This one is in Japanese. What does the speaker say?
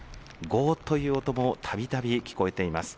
ごーっという音もたびたび聞こえています。